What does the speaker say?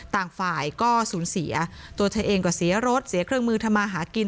ต่างฝ่ายก็สูญเสียตัวเธอเองก็เสียรถเสียเครื่องมือทำมาหากิน